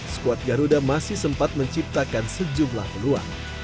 skuad garuda masih sempat menciptakan sejumlah peluang